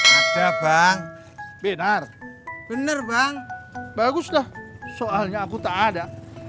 ada bang benar benar bang baguslah soalnya aku tak ada